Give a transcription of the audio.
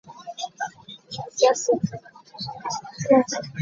Bwe mutaweerwa ne bannammwe bajja kubasekerera.